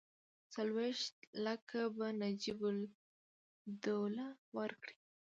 څلوېښت لکه به نجیب الدوله ورکړي.